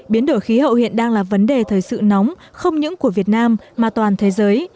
biến đổi khí hậu hiện đang là vấn đề thời sự nóng không những của việt nam mà toàn thế giới